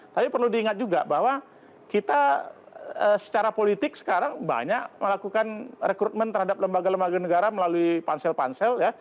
tapi perlu diingat juga bahwa kita secara politik sekarang banyak melakukan rekrutmen terhadap lembaga lembaga negara melalui pansel pansel ya